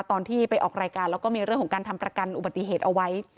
ตอนที่ไปออกรายการแล้วก็มีเรื่องของการทำประกันอุบัติเหตุเอาไว้